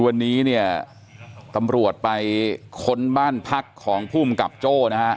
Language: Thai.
วันนี้ตำรวจไปคนบ้านพักของภูมิกับโจ